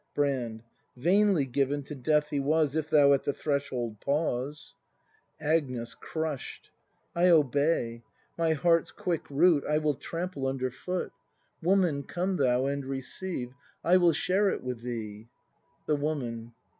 Brand. Vainly given to death he was If thou at the threshold pause. Agnes. [Crushed.] I obey. My heart's quick root I will tramj)le under foot. ACT IV] BRAND 205 Woman, come thou and receive, I will share it with thee. The Woman.